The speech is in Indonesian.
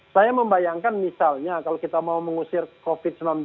saya membayangkan misalnya kalau kita mau mengusir covid sembilan belas